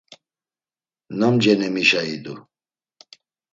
Nam cenemişa idu?